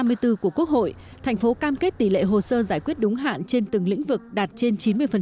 và đạt đến tỷ lệ hồ sơ giải quyết đúng hạn trên từng lĩnh vực đạt trên chín mươi